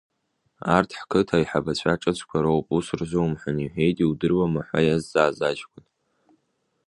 Арҭ ҳқыҭа аиҳабацәа ҿыцқәа роуп, ус рзумҳәан, – иҳәеит, иудыруама ҳәа иазҵааз аҷкәын.